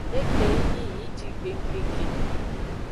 Egbe yi nyi yi jigbengkeke.